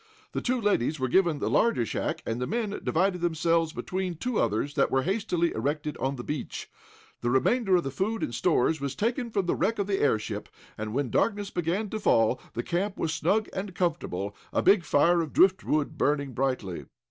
The two ladies were given the larger shack, and the men divided themselves between two others that were hastily erected on the beach. The remainder of the food and stores was taken from the wreck of the airship, and when darkness began to fall, the camp was snug and comfortable, a big fire of driftwood burning brightly.